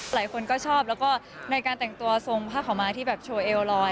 หลายคนก็ชอบแล้วก็ในการแต่งตัวทรงผ้าขาวม้าที่แบบโชว์เอลรอย